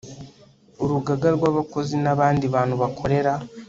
urugaga rw abakozi n abandi bantu bakorera